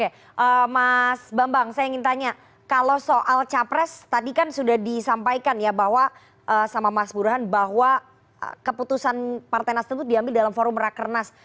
oke mas bambang saya ingin tanya kalau soal capres tadi kan sudah disampaikan ya bahwa sama mas burhan bahwa keputusan partai nasdem itu diambil dalam forum rakernas